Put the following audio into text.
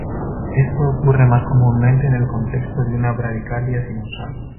Esto ocurre más comúnmente en el contexto de una bradicardia sinusal.